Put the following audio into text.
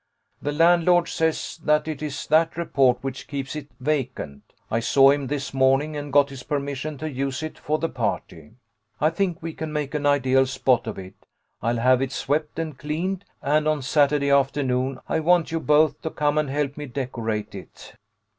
The landlord says that it is that report which keeps it vacant. I saw him this morning, and got his permission to use it for the party. I think we can make an ideal spot of it. I'll have it swept and cleaned, and on Saturday afternoon I want you both to come and help me decorate it."